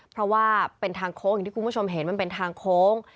เพราะว่าเป็นทางโค้งอย่างที่คุณผู้ชมเห็นมันเป็นทางโค้ง